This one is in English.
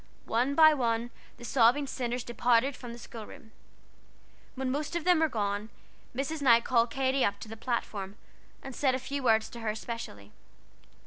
One by one the sobbing sinners departed from the schoolroom. When most of them were gone, Mrs. Knight called Katy up to the platform, and said a few words to her specially.